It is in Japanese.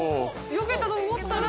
よけたと思ったら。